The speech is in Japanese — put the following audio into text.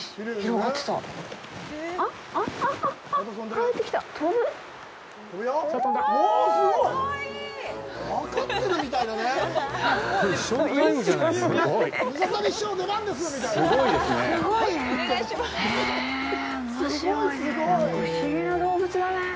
なんか不思議な動物だね。